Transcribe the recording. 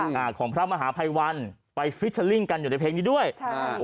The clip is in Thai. ค่ะอ่าของพระมหาภัยวัลไปอยู่ในเพลงนี้ด้วยใช่